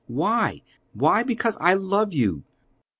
"Why?" "Why? Because I love you."